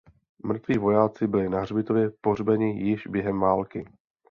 Mrtví vojáci byli na hřbitově pohřbeni již během války.